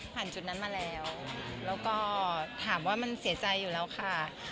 จุดนั้นมาแล้วแล้วก็ถามว่ามันเสียใจอยู่แล้วค่ะ